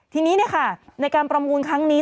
ทีนี้เนี่ยค่ะในการประมูลครั้งนี้